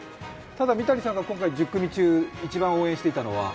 ただ、三谷さんが１０組中、一番応援していたのは？